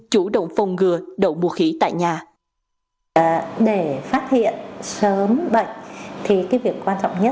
chủ động phong ngừa đậu mũ khỉ tại nhà